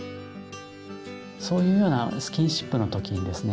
そういうようなスキンシップの時にですね